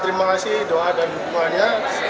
terima kasih doa dan dukungannya